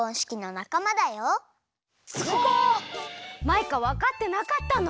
マイカわかってなかったの？